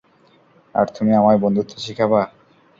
আর তুমি আমায় বন্ধুত্ব শিখাবা?